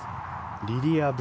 リリア・ブ